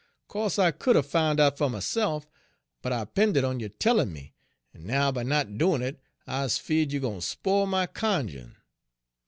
Co'se I could 'a' foun' out fer myse'f, but I'pended on yo' tellin' me, en now by not doin' it I's feared you gwine spile my cunj'in'.